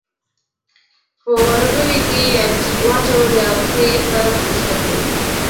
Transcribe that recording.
په ورغوي کې یې واچولې او ښه یې سره خیشته کړل.